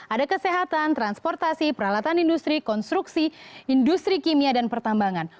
ada kesehatan transportasi peralatan industri konstruksi industri kimia dan pertambangan